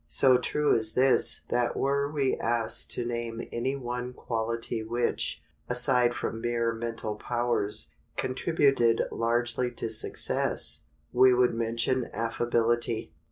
So true is this that were we asked to name any one quality which, aside from mere mental powers, contributed largely to success, we would mention affability.